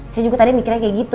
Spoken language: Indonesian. saya juga tadi mikirnya kayak gitu